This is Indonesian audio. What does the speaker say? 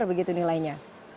kekasir begitu nilainya